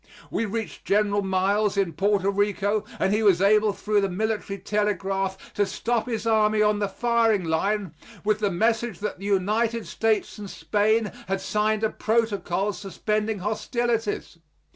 We reached General Miles, in Porto Rico, and he was able through the military telegraph to stop his army on the firing line with the message that the United States and Spain had signed a protocol suspending hostilities.